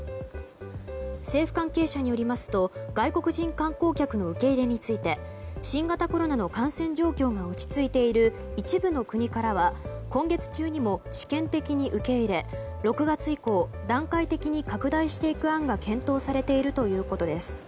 政府関係者によりますと外国人観光客の受け入れについて新型コロナの感染状況が落ち着いている一部の国からは今月中にも試験的に受け入れ６月以降、段階的に拡大していく案が検討されているということです。